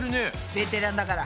ベテランだから。